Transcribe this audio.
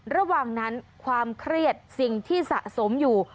ระหว่างนั้นความเครียดสิ่งที่สะสมอยู่